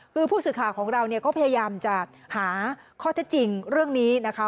คือผู้สื่อข่าวของเราเนี่ยก็พยายามจะหาข้อเท็จจริงเรื่องนี้นะคะ